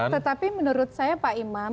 tetapi menurut saya pak imam